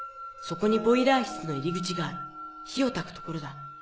そこにボイラー室の入り口がある火をたく所だ。